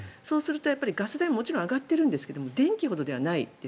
ガス代はもちろん上がっているんですが電気ほどではないです。